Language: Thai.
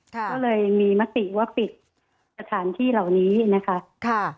ก็เลยมีมติว่าปิดสถานที่เหล่านี้นะคะ